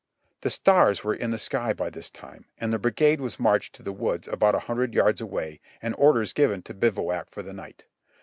The stars were in the sky by this time, and the brigade was marched to the woods about a hundred yards away, and orders given to bivouac for the night.